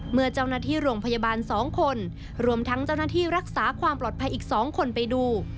เมื่อเจ้าหน้าที่โรงพยาบาล๒คนรวมทั้งเจ้าหน้าที่รักษาความปลอดภัยอีก๒คนไปดู